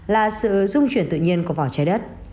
là sự dung chuyển tự nhiên của vỏ trái đất